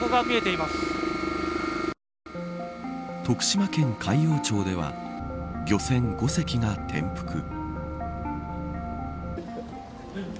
徳島県海陽町では漁船５隻が転覆。